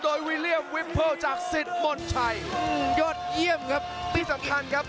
โดยวิลเลี่ยมวิมเพิลจากสิทธิ์มนชัยยอดเยี่ยมครับที่สำคัญครับ